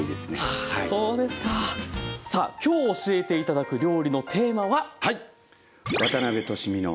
さあ今日教えて頂く料理のテーマは？